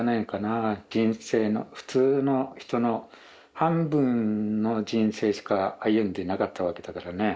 人生の普通の人の半分の人生しか歩んでなかったわけだからね。